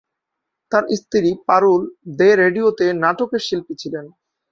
তাঁর স্ত্রী পারুল দে রেডিওতে নাটকের শিল্পী ছিলেন।